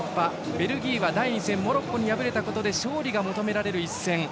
ベルギーが第２戦モロッコに敗れたことで勝利が求められる一戦。